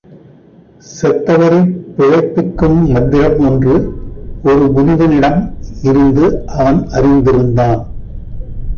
செத்தவரைப் பிழைப்பிக்கும் மந்திரம் ஒன்று ஒரு முனிவனிடம் இருந்து அவன் அறிந்திருந்தான்.